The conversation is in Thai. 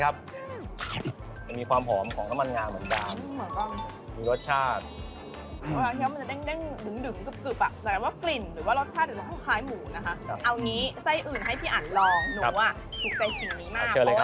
ร่วนนะมีความเด้งหอมและมีรสชาติอะอืม